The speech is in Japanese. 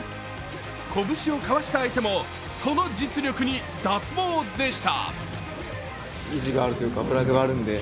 拳を交わした相手もその実力に脱帽でした。